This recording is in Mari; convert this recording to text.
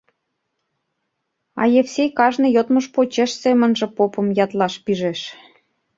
А Евсей кажне йодмыж почеш семынже попым ятлаш пижеш.